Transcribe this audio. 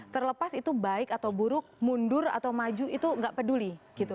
terlepas itu baik atau buruk mundur atau maju itu nggak peduli gitu